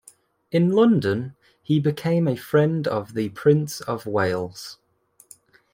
In London he became a friend of the Prince of Wales.